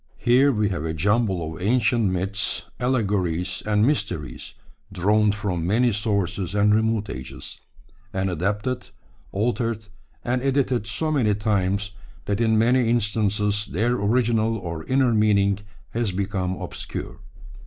Here we have a jumble of ancient myths, allegories, and mysteries drawn from many sources and remote ages, and adapted, altered, and edited so many times that in many instances their original or inner meaning has become obscure.